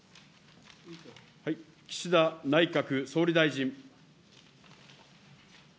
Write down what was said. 岸田内閣総理大臣。